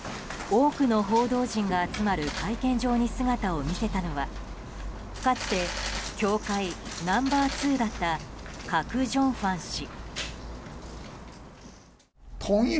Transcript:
多くの報道陣が集まる会見場に姿を見せたのはかつて教会ナンバー２だったカク・ジョンファン氏。